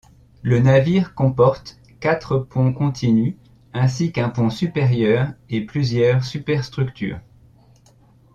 Le navire comporte quatre ponts continus ainsi qu'un pont supérieur et plusieurs superstructures.